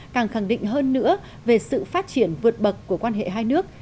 càng khẳng định hơn nữa về sự phát triển vượt bậc của quan hệ hai nước